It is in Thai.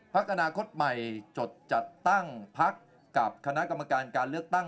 พักอนาคตใหม่จดจัดตั้งพักกับคณะกรรมการการเลือกตั้ง